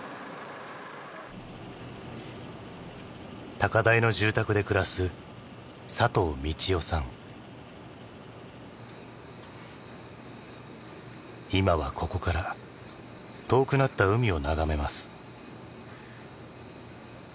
高台の住宅で暮らす今はここから遠くなった海を眺めます。